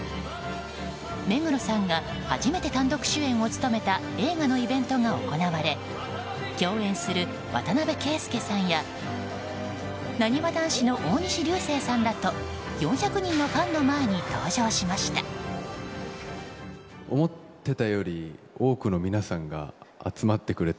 目黒さんが初めて単独主演を務めた映画のイベントが行われ共演する渡邊圭祐さんやなにわ男子の大西流星さんらと４００人のファンの前に登場しました。